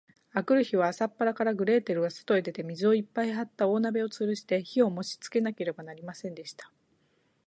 あくる日は、朝っぱらから、グレーテルはそとへ出て、水をいっぱいはった大鍋をつるして、火をもしつけなければなりませんでした。